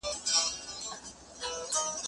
تمرين وکړه،